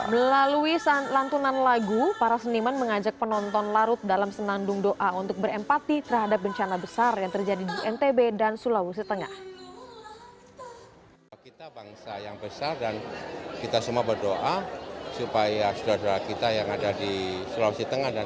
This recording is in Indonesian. melalui lantunan lagu para seniman mengajak penonton larut dalam senandung doa untuk berempati terhadap bencana besar yang terjadi di ntb dan sulawesi tengah